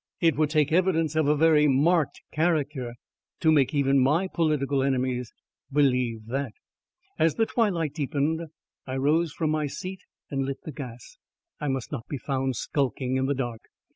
It would take evidence of a very marked character to make even my political enemies believe that. As the twilight deepened I rose from my seat and lit the gas. I must not be found skulking in the dark.